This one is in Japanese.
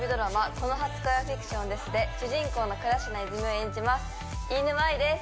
この初恋はフィクションです」で主人公の倉科泉を演じます飯沼愛です